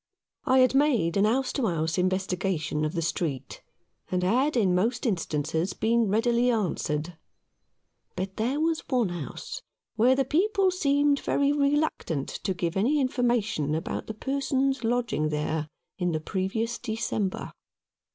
I had made a house to house investigation of the street, and had in most instances been readily answered ; but there was one house where the people seemed very reluctant to give any information about the persons lodging there in the previous December.